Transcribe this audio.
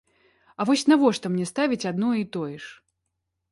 А вось навошта мне ставіць адно і тое ж?